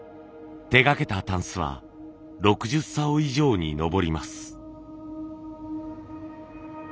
手がけた箪笥は６０棹以上に上ります。